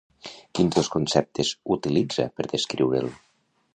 Quins dos conceptes utilitza per descriure'l?